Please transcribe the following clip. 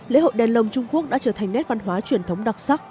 lễ hội đèn lồng trung quốc đã trở thành nét văn hóa truyền thống đặc sắc